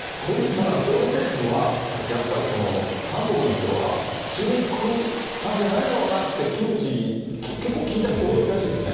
このときは、やっぱりその、韓国の人は、中国産じゃないだろうなって、キムチ、結構聞いた人、多いらしいですね。